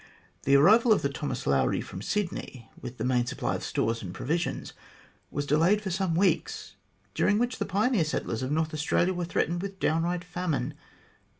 The arrival of the Thomas Lowry from Sydney, with the main supply of stores and provisions, was delayed for some weeks, during which the pioneer settlers of North Australia were threatened with downright famine.